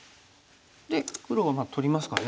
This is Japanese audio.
で黒は取りますかね。